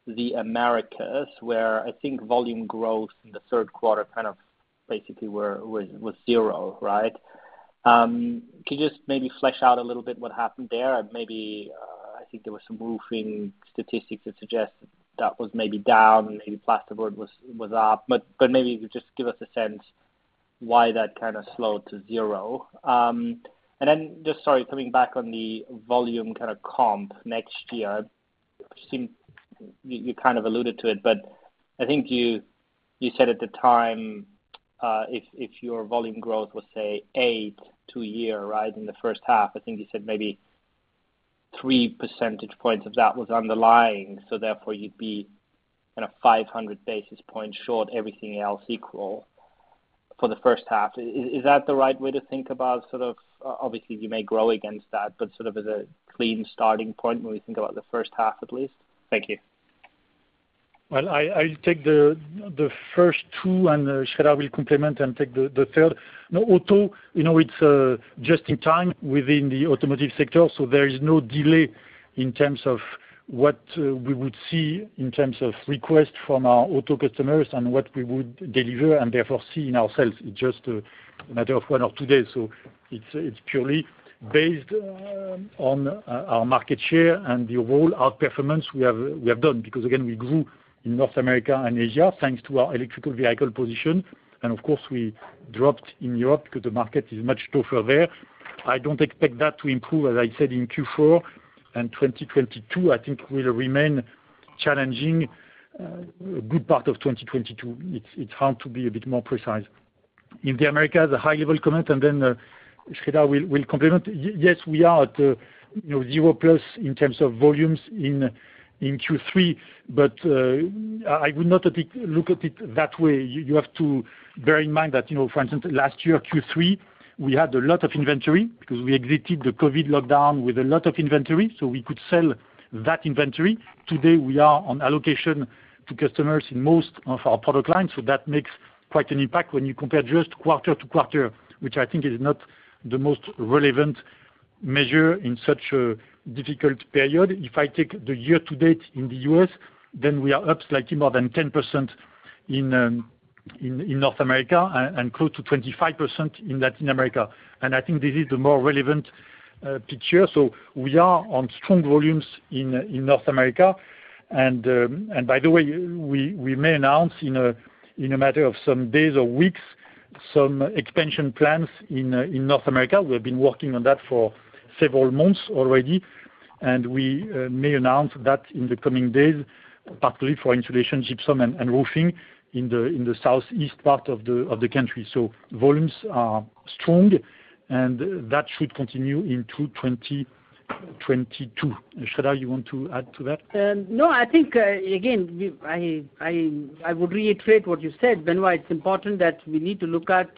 the Americas, where I think volume growth in the third quarter kind of basically was zero, right? Can you just maybe flesh out a little bit what happened there? Maybe I think there were some roofing statistics that suggest that was maybe down and maybe plasterboard was up. Maybe just give us a sense why that kind of slowed to zero. Just sorry, coming back on the volume kind of comp next year. It seemed you kind of alluded to it, but I think you said at the time if your volume growth was, say, 8% to year right in the first half, I think you said maybe 3 percentage points of that was underlying, so therefore you'd be kind of 500 basis points short everything else equal for the first half. Is that the right way to think about sort of, obviously, you may grow against that, but sort of as a clean starting point when we think about the first half at least? Thank you. Well, I take the first two and Sreedhar will complement and take the third. Now auto, you know, it's just in time within the automotive sector, so there is no delay in terms of what we would see in terms of requests from our auto customers and what we would deliver and therefore see in sales. It's just a matter of one or two days. So it's purely based on our market share and the overall outperformance we have done. Because again, we grew in North America and Asia, thanks to our electric vehicle position. Of course, we dropped in Europe because the market is much tougher there. I don't expect that to improve, as I said, in Q4 and 2022. I think it will remain challenging a good part of 2022. It's hard to be a bit more precise. In America, the high-level comment, and then Sreedhar will complement. Yes, we are at, you know, zero plus in terms of volumes in Q3, but I would not look at it that way. You have to bear in mind that, you know, for instance, last year, Q3, we had a lot of inventory because we exited the COVID lockdown with a lot of inventory, so we could sell that inventory. Today, we are on allocation to customers in most of our product lines, so that makes quite an impact when you compare just quarter to quarter, which I think is not the most relevant measure in such a difficult period. If I take the year to date in the U.S., then we are up slightly more than 10% in North America and close to 25% in Latin America. I think this is the more relevant picture. We are on strong volumes in North America. By the way, we may announce in a matter of some days or weeks some expansion plans in North America. We've been working on that for several months already, and we may announce that in the coming days, partly for insulation, gypsum, and roofing in the Southeast part of the country. Volumes are strong, and that should continue into 2022. Sreedhar, you want to add to that? No. I think, again, I would reiterate what you said, Benoit. It's important that we need to look at,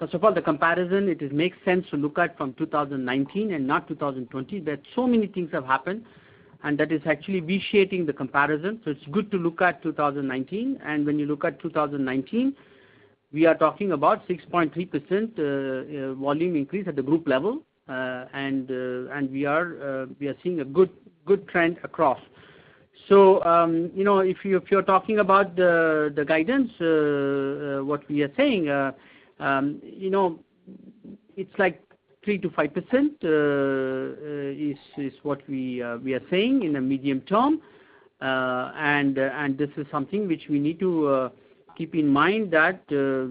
first of all, the comparison. It makes sense to look at from 2019 and not 2020. There are so many things have happened, and that is actually vitiating the comparison. It's good to look at 2019. When you look at 2019, we are talking about 6.3% volume increase at the group level. We are seeing a good trend across. You know, if you're talking about the guidance, what we are saying, you know, it's like 3%-5% is what we are saying in the medium term. This is something which we need to keep in mind that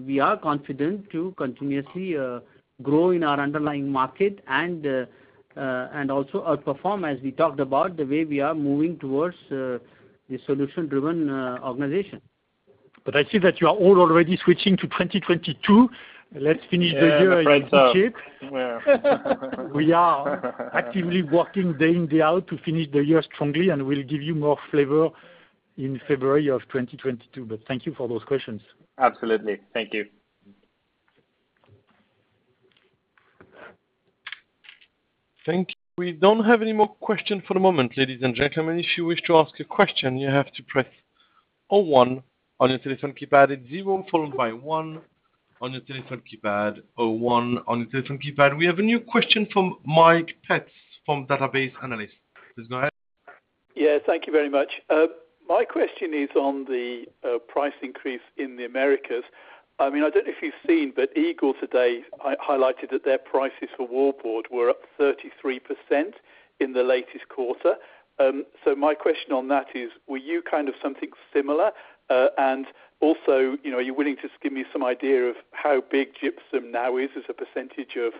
we are confident to continuously grow in our underlying market and also outperform as we talked about the way we are moving towards the solution-driven organization. I see that you are all already switching to 2022. Let's finish the year in shape. We are actively working day in, day out to finish the year strongly, and we'll give you more flavor in February of 2022. Thank you for those questions. Absolutely. Thank you. Thank you. We don't have any more question for the moment, ladies and gentlemen. If you wish to ask a question, you have to press O one on your telephone keypad. We have a new question from Mike Betts from Data Based Analysis. Please go ahead. Yeah. Thank you very much. My question is on the price increase in the Americas. I mean, I don't know if you've seen, but Eagle today highlighted that their prices for wallboard were up 33% in the latest quarter. So my question on that is, were you seeing something similar? And also, you know, are you willing to just give me some idea of how big Gypsum now is as a percentage of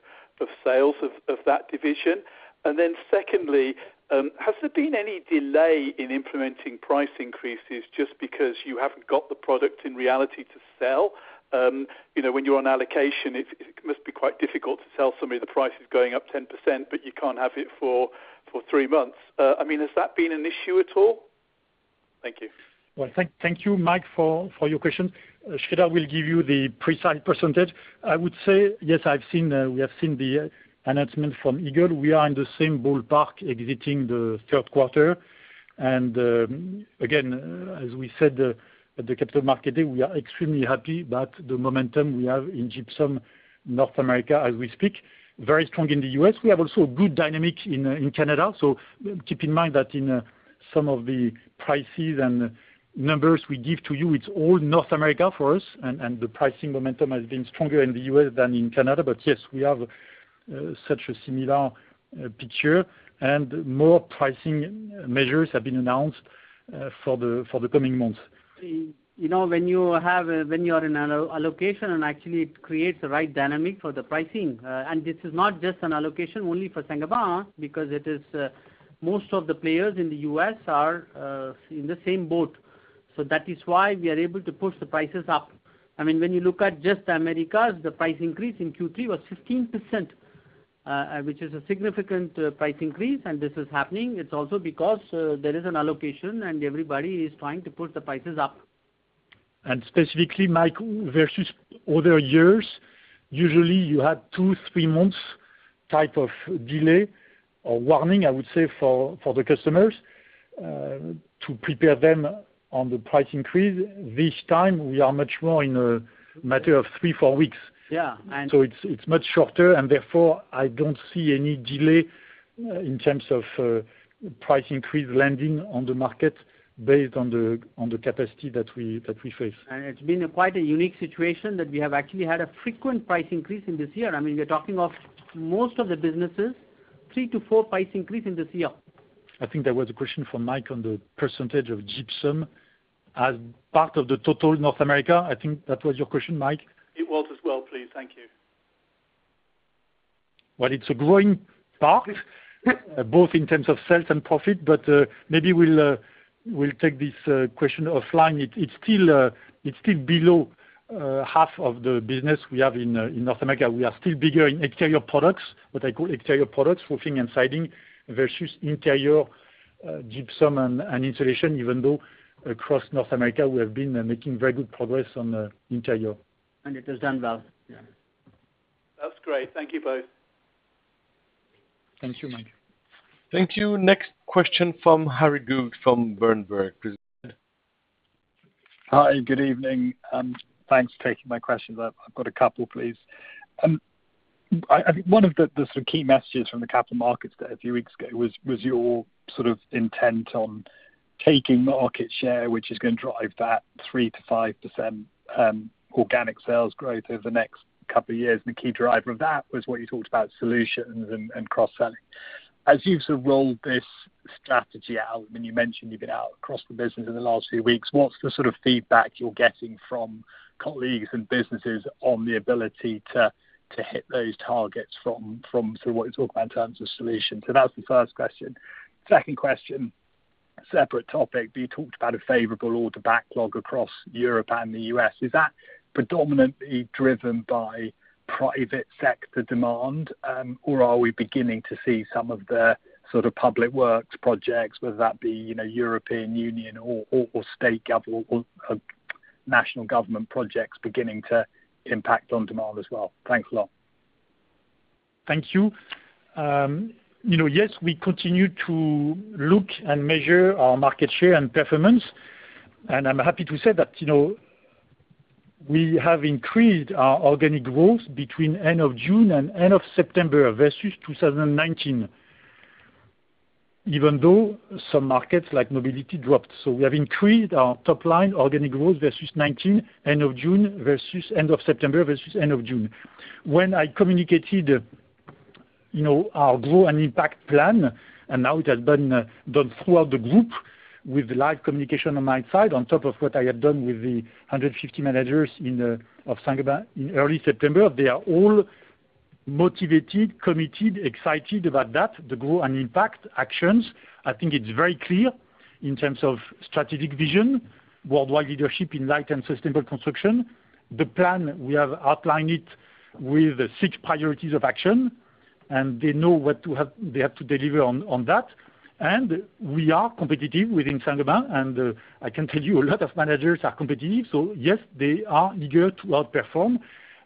sales of that division. And then secondly, has there been any delay in implementing price increases just because you haven't got the product in reality to sell? You know, when you're on allocation, it must be quite difficult to tell somebody the price is going up 10%, but you can't have it for three months. I mean, has that been an issue at all? Thank you. Well, thank you, Mike, for your question. Sreedhar will give you the precise percentage. I would say, yes, we have seen the announcement from Eagle. We are in the same ballpark exiting the third quarter. Again, as we said at the Capital Markets Day, we are extremely happy about the momentum we have in Gypsum North America as we speak. Very strong in the U.S. We have also good dynamics in Canada. So keep in mind that in some of the prices and numbers we give to you, it's all North America for us. The pricing momentum has been stronger in the U.S. than in Canada. But yes, we have such a similar picture. More pricing measures have been announced for the coming months. You know, when you have allocation, and actually it creates the right dynamic for the pricing. This is not just an allocation only for Saint-Gobain because it is, most of the players in the U.S. are, in the same boat. That is why we are able to push the prices up. I mean, when you look at just Americas, the price increase in Q3 was 15%, which is a significant price increase. This is happening, it's also because, there is an allocation and everybody is trying to put the prices up. Specifically, Mike, versus other years, usually you have two, three months type of delay or warning, I would say, for the customers to prepare them on the price increase. This time we are much more in a matter of three, four weeks. Yeah. It's much shorter and therefore I don't see any delay in terms of price increase landing on the market based on the capacity that we face. It's been quite a unique situation that we have actually had a frequent price increase in this year. I mean, we're talking of most of the businesses, three to four price increase in this year. I think there was a question from Mike on the percentage of Gypsum as part of the total North America. I think that was your question, Mike. It was as well, please. Thank you. Well, it's a growing part, both in terms of sales and profit, but maybe we'll take this question offline. It's still below half of the business we have in North America. We are still bigger in exterior products, what I call exterior products, roofing and siding, versus interior, Gypsum and insulation, even though across North America, we have been making very good progress on the interior. It has done well. Yeah. That's great. Thank you both. Thank you, Mike. Thank you. Next question from Harry Goad, from Berenberg. Hi, good evening, and thanks for taking my questions. I've got a couple, please. I think one of the sort of key messages from the Capital Markets Day a few weeks ago was your sort of intent on taking market share, which is gonna drive that 3%-5% organic sales growth over the next couple of years. The key driver of that was what you talked about solutions and cross-selling. As you've sort of rolled this strategy out, I mean, you mentioned you've been out across the business in the last few weeks, what's the sort of feedback you're getting from colleagues and businesses on the ability to hit those targets from sort of what you're talking about in terms of solutions? That was the first question. Second question, separate topic. You talked about a favorable order backlog across Europe and the U.S. Is that predominantly driven by private sector demand, or are we beginning to see some of the sort of public works projects, whether that be, you know, European Union or state government or national government projects beginning to impact on demand as well? Thanks a lot. Thank you. You know, yes, we continue to look and measure our market share and performance, and I'm happy to say that, you know, we have increased our organic growth between end of June and end of September versus 2019. Even though some markets like Mobility dropped. We have increased our top line organic growth versus 2019, end of June versus end of September versus end of June. When I communicated, you know, our Grow & Impact plan, and now it has been done throughout the group with live communication on my side, on top of what I had done with the 150 managers in of Saint-Gobain in early September. They are all motivated, committed, excited about that, the Grow & Impact actions. I think it's very clear in terms of strategic vision, worldwide leadership in light and sustainable construction. The plan, we have outlined it with six priorities of action, and they know they have to deliver on that. We are competitive within Saint-Gobain, and I can tell you a lot of managers are competitive. Yes, they are eager to outperform.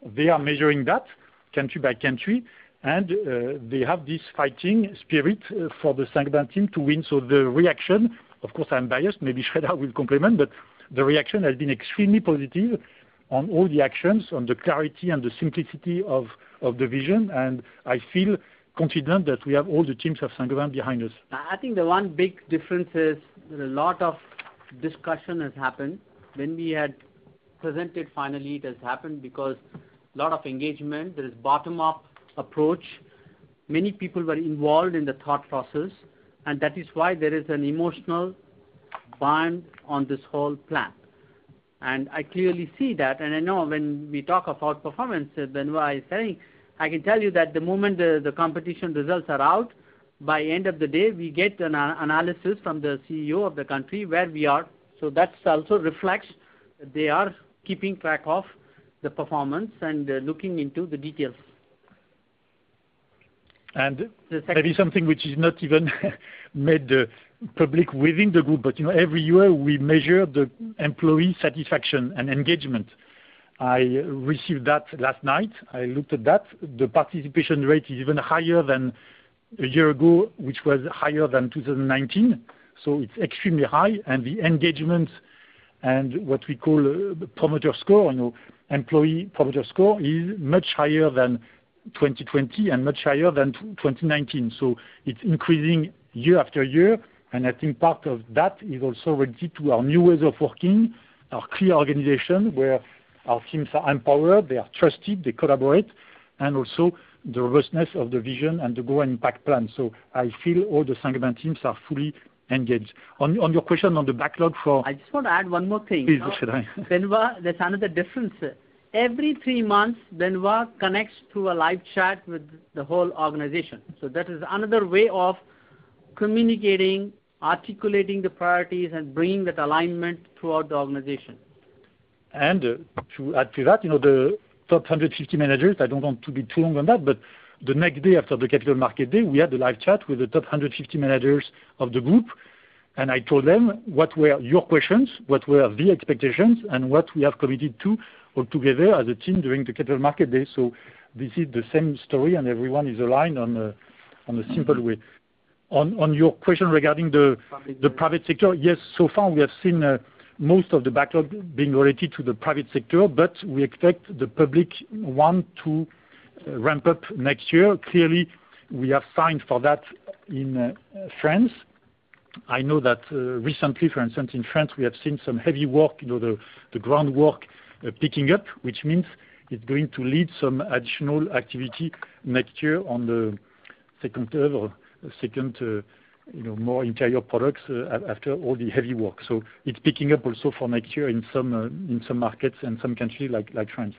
They are measuring that country by country. They have this fighting spirit for the Saint-Gobain team to win. The reaction, of course, I'm biased, maybe Sreedhar will complement, but the reaction has been extremely positive on all the actions, on the clarity and the simplicity of the vision. I feel confident that we have all the teams of Saint-Gobain behind us. I think the one big difference is that a lot of discussion has happened. When we had presented finally it has happened because a lot of engagement. There is bottom-up approach. Many people were involved in the thought process, and that is why there is an emotional bond on this whole plan. I clearly see that. I know when we talk about performance, then what I say, I can tell you that the moment the competition results are out, by end of the day, we get an analysis from the CEO of the country where we are. That also reflects they are keeping track of the performance and looking into the details. Maybe something which is not even made public within the group, but you know, every year we measure the employee satisfaction and engagement. I received that last night. I looked at that. The participation rate is even higher than a year ago, which was higher than 2019. So it's extremely high. The engagement and what we call the promoter score, you know, employee promoter score is much higher than 2020 and much higher than 2019. So it's increasing year after year. I think part of that is also related to our new ways of working, our clear organization, where our teams are empowered, they are trusted, they collaborate, and also the robustness of the vision and the Grow & Impact plan. So I feel all the Saint-Gobain teams are fully engaged. On your question on the backlog for- I just want to add one more thing. Please, Sreedhar. Benoit, there's another difference. Every three months, Benoit connects through a live chat with the whole organization. That is another way of communicating, articulating the priorities, and bringing that alignment throughout the organization. To add to that, you know, the top 150 managers, I don't want to be too long on that, but the next day after the Capital Markets Day, we had a live chat with the top 150 managers of the group, and I told them, "What were your questions, what were the expectations, and what we have committed to all together as a team during the Capital Markets Day?" This is the same story, and everyone is aligned on a simple way. On your question regarding the- Private sector. The private sector, yes, so far we have seen most of the backlog being related to the private sector, but we expect the public one to ramp up next year. Clearly, we have signed for that in France. I know that recently, for instance, in France, we have seen some heavy work, you know, the groundwork picking up, which means it's going to lead some additional activity next year on the second level, you know, more interior products after all the heavy work. It's picking up also for next year in some markets and some countries like France.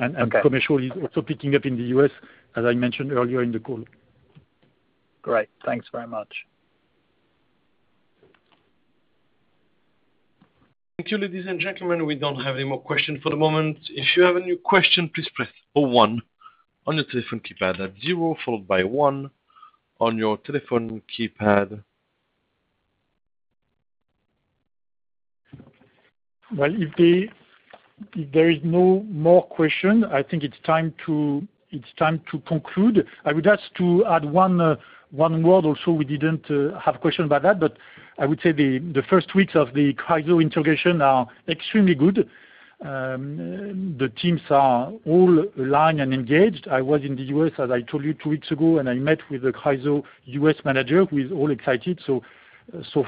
Okay. Commercial is also picking up in the U.S., as I mentioned earlier in the call. Great. Thanks very much. Thank you, ladies and gentlemen. We don't have any more questions for the moment. If you have a new question, please press zero one on your telephone keypad. That's zero followed by one on your telephone keypad. Well, if there is no more question, I think it's time to conclude. I would ask to add one word also. We didn't have question about that, but I would say the first weeks of the Chryso integration are extremely good. The teams are all aligned and engaged. I was in the U.S., as I told you two weeks ago, and I met with the Chryso U.S. manager, who is all excited. So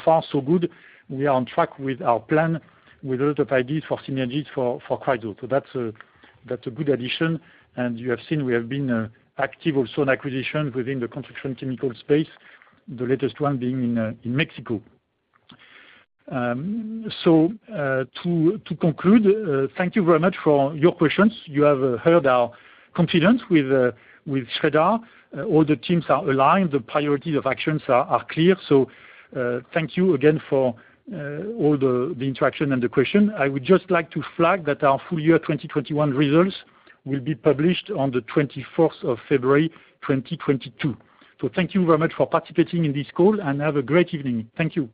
far so good. We are on track with our plan with a lot of ideas for synergies for Chryso. So that's a good addition. You have seen we have been active also in acquisition within the construction chemicals space, the latest one being in Mexico. To conclude, thank you very much for your questions. You have heard our confidence with Sreedhar. All the teams are aligned. The priorities of actions are clear. Thank you again for all the interaction and the question. I would just like to flag that our full year 2021 results will be published on the 24th of February, 2022. Thank you very much for participating in this call, and have a great evening. Thank you.